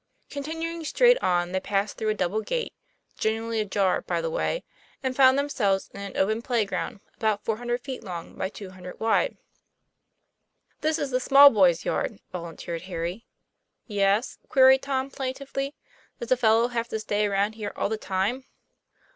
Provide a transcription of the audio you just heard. Continuing straight on, they passed through a double gate generally ajar, by the way and found themselves in an open play ground about four hun dred feet long by two hundred wide. "This is the small boys' yard," volunteered Harry. "Yes?" queried Tom plaintively. "Does a fellow have to stay around here all the time?"